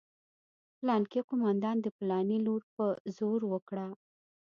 پلانکي قومندان د پلاني لور په زوره وکړه.